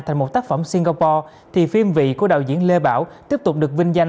thành một tác phẩm singapore thì phim vị của đạo diễn lê bảo tiếp tục được vinh danh